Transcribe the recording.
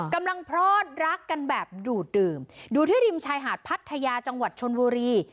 พลอดรักกันแบบดูดดื่มดูที่ริมชายหาดพัทยาจังหวัดชนบุรี